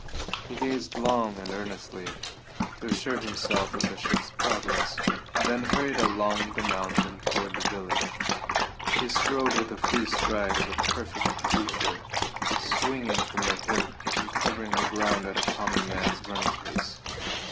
He gazed long and earnestly, to assure himself of the ship's progress, then hurried along the mountain toward the village. He strode with the free stride of a perfect creature, swinging from the hip and covering the ground at a common man's running pace.